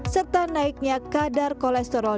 serta naiknya kadar kolesterol